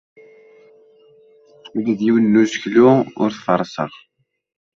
Ula d yiwen n useklu ur t-ferrseɣ.